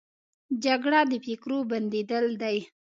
جګړه د فکرو بندېدل دي